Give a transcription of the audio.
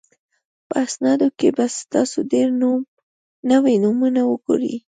په اسنادو کې به تاسو ډېر نوي نومونه وګورئ